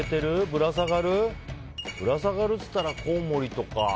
ぶら下がるといったらコウモリとか。